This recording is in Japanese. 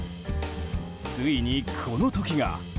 ついにこの時が。